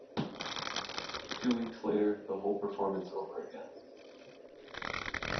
Two weeks later the whole performance over again.